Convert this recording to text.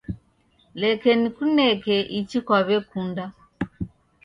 Leke nikuneke ichi kwaw'ekunda